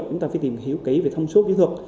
chúng ta phải tìm hiểu kỹ về thông suốt kỹ thuật